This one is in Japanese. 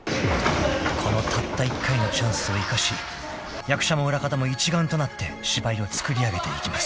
［このたった一回のチャンスを生かし役者も裏方も一丸となって芝居をつくり上げていきます］